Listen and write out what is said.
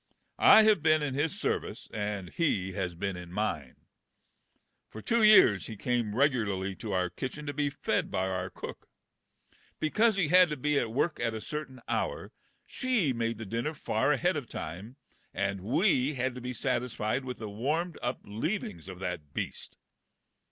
I have been in his ser vice, and he has been in mine. For two years he came regu larly to our kitchen to be fed by our cook. Because he had SCENE n THE SPOOK SONATA 135 to be at work at a certain hour, she made the dinner far ahead of time, and we had to be satisfied with the warmed up leavings of that beast.